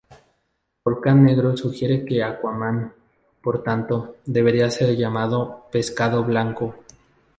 Volcán Negro sugiere que Aquaman, por tanto, debería ser llamado "pescado blanco".